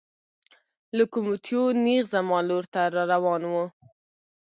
لوکوموتیو نېغ زما لور ته را روان و.